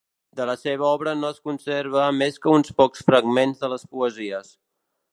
De la seva obra no es conserven més que uns pocs fragments de les poesies.